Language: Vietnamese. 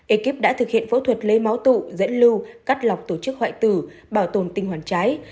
ekip đã thực hiện phẫu thuật lấy máu tụ dẫn lưu cắt lọc tổ chức hoại tử bảo tồn tinh hoàn trái